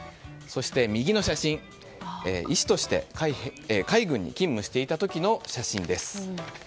そして右の写真、医師として海軍に勤務していた時の写真です。